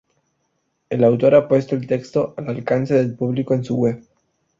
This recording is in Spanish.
El autor ha puesto el texto al alcance del público en su web.